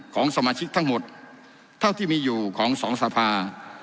ของสมาชิกทั้งหมดเท่าที่มีอยู่ของสองสภา